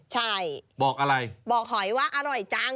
ใช่บอกอะไรบอกหอยว่าอร่อยจัง